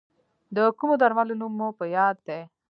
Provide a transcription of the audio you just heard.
د کومو درملو نوم مو په یاد دی؟